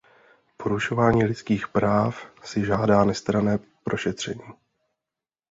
Porušování lidských práv si žádá nestranné prošetření.